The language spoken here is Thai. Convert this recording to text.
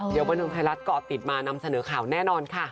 เดี๋ยวบันเทิงไทยรัฐเกาะติดมานำเสนอข่าวแน่นอนค่ะ